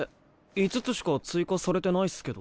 ５つしか追加されてないっすけど。